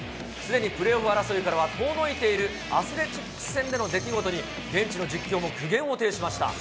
すでにプレーオフ争いからは遠のいているアスレチックス戦での出来事に現地の解説者も苦言を呈しました。